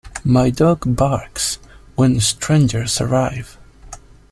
My dog barks when strangers arrive.